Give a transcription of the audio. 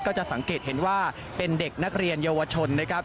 ก็จะสังเกตเห็นว่าเป็นเด็กนักเรียนเยาวชนนะครับ